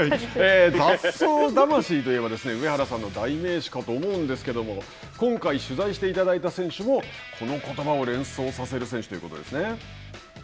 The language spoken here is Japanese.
雑草魂といえば上原さんの代名詞かと思うんですけれども今回取材していただいた選手もこのことばを連想させる選手ということですね。